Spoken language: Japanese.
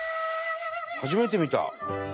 初めて見た。